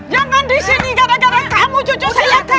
jangan di sini gara gara kamu cucu saya kabur